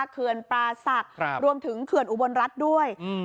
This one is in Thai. เขื่อนปราศักดิ์รวมถึงเขื่อนอุบลรัฐด้วย